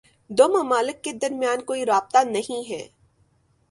دو ممالک کے درمیان کوئی رابطہ نہیں ہے